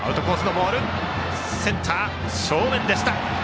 センター正面でした。